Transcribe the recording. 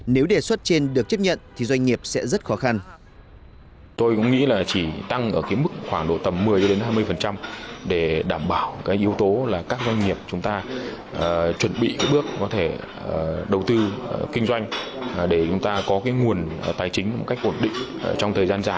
nếu đề xuất trên được chấp nhận thì doanh nghiệp sẽ rất khó khăn